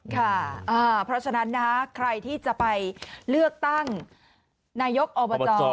ค่ะเพราะฉะนั้นใครที่จะไปเลือกตั้งนายกอบจ